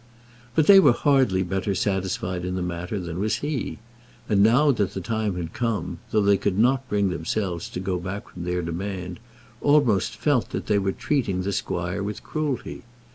But they were hardly better satisfied in the matter than was he; and now that the time had come, though they could not bring themselves to go back from their demand, almost felt that they were treating the squire with cruelty.